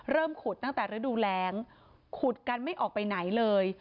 ขุดตั้งแต่ฤดูแรงขุดกันไม่ออกไปไหนเลย